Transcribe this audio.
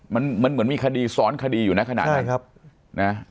มันเหมือนมีคดีสอนคดีอยู่นะขนาดนั้น